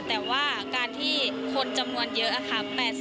แต่ว่าการที่คนจำนวนเยอะค่ะ